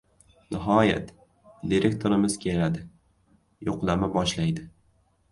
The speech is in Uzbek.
Nihoyat, direktorimiz keladi. Yo‘qlama boshlaydi.